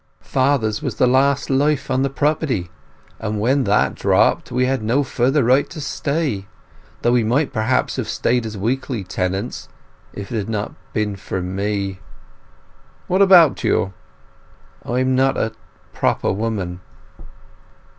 "Father's was the last life on the property, and when that dropped we had no further right to stay. Though we might, perhaps, have stayed as weekly tenants—if it had not been for me." "What about you?" "I am not a—proper woman."